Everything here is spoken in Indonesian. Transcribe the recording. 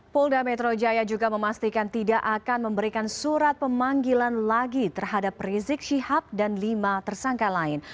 polda metro jaya juga memastikan tidak akan memberikan surat pemanggilan lagi terhadap rizik syihab dan lima tersangka lain